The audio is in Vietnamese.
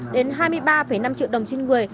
đến hai mươi ba năm triệu đồng trên người